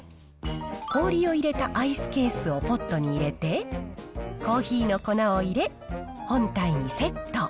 氷を入れたアイスケースをポットに入れて、コーヒーの粉を入れ、本体にセット。